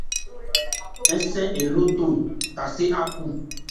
Alɔ kranman yayó lê ń wu mɛ́n nman jɛ́gɔn npi.